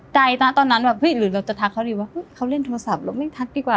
ใจนะตอนนั้นแบบเฮ้ยหรือเราจะทักเขาดีว่าเขาเล่นโทรศัพท์เราไม่ทักดีกว่า